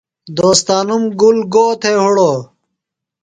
ݨ دوستانوم گُل گو تھےۡ ہِڑوۡ؟